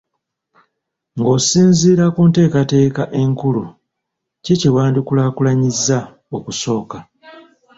Ng'osinziira ku nteekateeka enkulu, ki kye wandikulaakulanyizza okusooka?